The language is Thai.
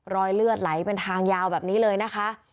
รอยเลือดไหลเป็นทางยาวแบบนี้เลยนะคะ